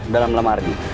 dalam lama hari